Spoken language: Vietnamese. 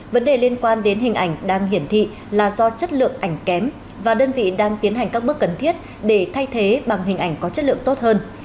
vấn đề liên quan đến hình ảnh đang hiển thị là do chất lượng ảnh kém và đơn vị đang tiến hành các bước cần thiết để thay thế bằng hình ảnh có chất lượng tốt hơn